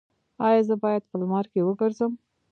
ایا زه باید په لمر کې وګرځم؟